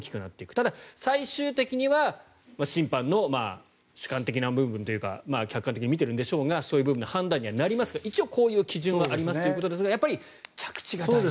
ただ、最終的には審判の主観的な部分というか客観的に見ているんでしょうがそういう部分の判断にはなりますが一応こういう基準ですがやっぱり着地が大事。